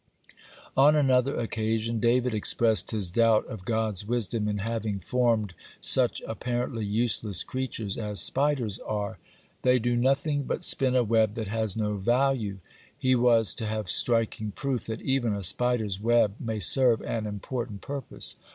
(46) On another occasion David expressed his doubt of God's wisdom in having formed such apparently useless creatures as spiders are. They do nothing but spin a web that has no value. He was to have striking proof that even a spider's web may serve an important purpose.